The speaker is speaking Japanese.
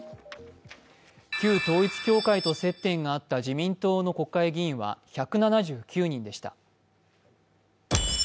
旧統一教会と接点があった自民党の国会議員は１７９人でした。